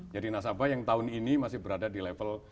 jadi nasabah yang tahun ini masih berada di level